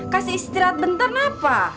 kasih istirahat bentar kenapa